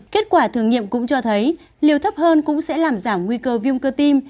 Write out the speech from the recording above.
kết quả thử nghiệm cũng cho thấy liều thấp hơn cũng sẽ làm giảm nguy cơ viêm cơ tim